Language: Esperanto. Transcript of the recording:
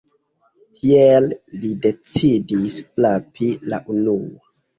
Tiele li decidis frapi la unua.